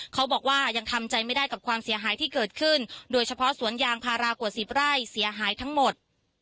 เขาบอกว่ายังทำใจไม่ได้กับความเสียหายที่เกิดขึ้นโดยเฉพาะสวนยางพารากว่า๑๐ไร่เสียหายทั้งหมด